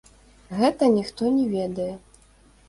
Гэта ніхто не ведае.